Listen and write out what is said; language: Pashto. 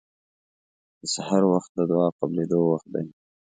د سحر وخت د دعا قبلېدو وخت دی.